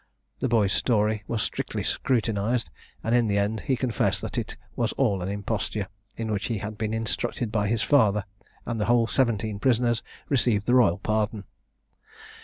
The boy's story was strictly scrutinised, and in the end, he confessed that it was all an imposture, in which he had been instructed by his father; and the whole seventeen prisoners received the royal pardon.